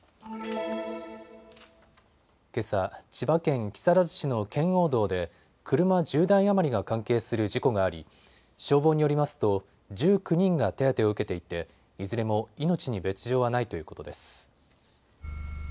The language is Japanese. けさ、千葉県木更津市の圏央道で車１０台余りが関係する事故があり消防によりますと１９人が手当てを受けていていずれも命に別状はないということです。